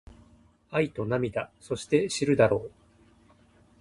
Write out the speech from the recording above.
愛と涙そして知るだろう